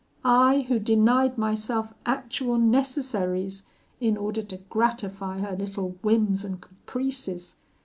I, who denied myself actual necessaries, in order to gratify her little whims and caprices!